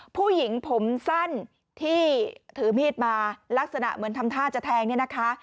ผู้หญิงผมสั้นที่ถือมีดมาลักษณะเหมือนทำท่าจะแทงเนี่ยนะคะ